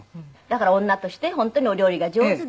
だから女として本当にお料理が上手で。